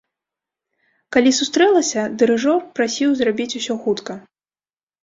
Калі сустрэлася, дырыжор прасіў зрабіць усё хутка.